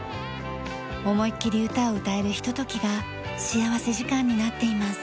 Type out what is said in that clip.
思いっきり歌を歌えるひとときが幸福時間になっています。